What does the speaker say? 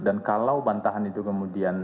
dan kalau bantahan itu kemudian